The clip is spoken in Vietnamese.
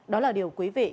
đó là điều quý vị